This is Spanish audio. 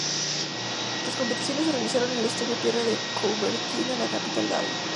Las competiciones se realizaron en el Estadio Pierre de Coubertin de la capital gala.